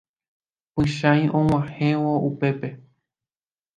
Pychãi og̃uahẽvo upépe.